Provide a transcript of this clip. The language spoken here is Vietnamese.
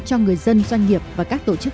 cho người dân doanh nghiệp và các tổ chức